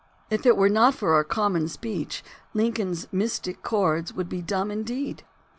If it were not for our common speech Lincoln's "mystic chords" would be dumb indeed.